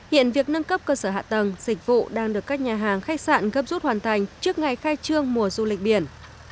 hiện việc nâng cấp cơ sở hạ tầng dịch vụ đang được các nhà hàng khách sạn gấp rút hoàn thành trước ngày khai trương mùa du lịch biển